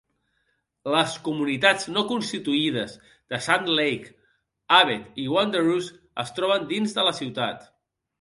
Les comunitats no constituïdes de Sand Lake, Ubet i Wanderoos es troben dins de la ciutat.